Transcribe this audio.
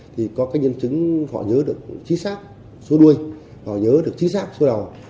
thì có nhân chứng họ nhớ được trí xác số đuôi họ nhớ được trí xác số đầu